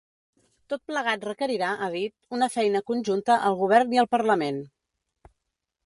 Tot plegat requerirà, ha dit, una feina conjunta al govern i al parlament.